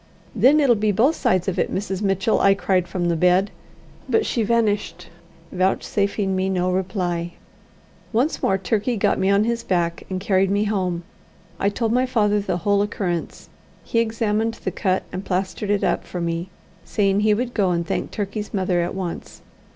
"Then it'll be both sides of it, Mrs. Mitchell," I cried from the bed; but she vanished, vouchsafing me no reply. Once more Turkey got me on his back and carried me home. I told my father the whole occurrence. He examined the cut and plastered it up for me, saying he would go and thank Turkey's mother at once.